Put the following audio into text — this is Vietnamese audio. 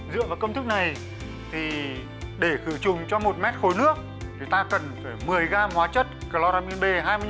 dựa vào công thức này thì để khử trùng cho một m khối nước thì ta cần phải một mươi gram hóa chất cloramin b hai mươi năm